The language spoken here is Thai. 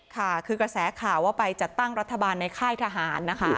ค่ะคือกระแสข่าวว่าไปจัดตั้งรัฐบาลในค่ายทหารนะคะ